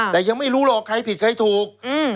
แต่ยังไม่รู้หรอกใครผิดใครถูก